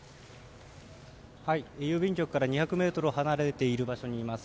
郵便局から２００ｍほど離れている場所にいます。